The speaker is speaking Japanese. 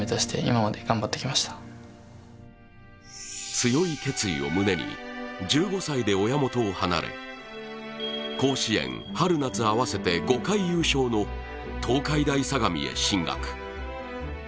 強い決意を胸に１５歳で親元を離れ甲子園、春夏合わせて５回優勝の東海大相模へ進学。